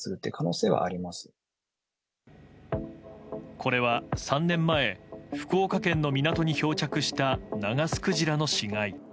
これは３年前福岡県の港に漂着したナガスクジラの死骸。